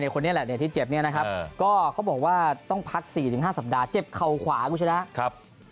คนนี้แหละที่เจ็บเนี่ยนะครับก็เขาบอกว่าต้องพัก๔๕สัปดาห์เจ็บเข่าขวาคุณชนะ